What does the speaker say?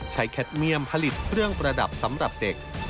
แคทเมียมผลิตเครื่องประดับสำหรับเด็ก